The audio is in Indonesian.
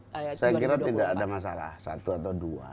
saya kira tidak ada masalah satu atau dua